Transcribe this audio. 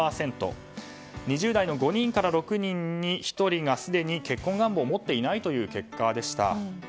２０代の５人から６人の１人がすでに結婚願望を持っていないという結果でした。